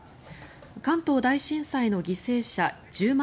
関東大震災の犠牲者１０万